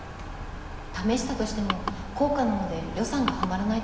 試したとしても高価なので予算がはまらないと思います。